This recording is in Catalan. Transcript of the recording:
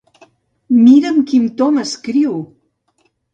Mira en quin to m'escriu!